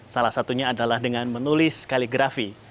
salah satunya adalah dengan menulis kaligrafi